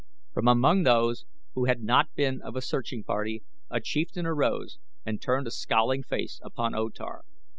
From among those who had not been of the searching party a chieftain arose and turned a scowling face upon O Tar.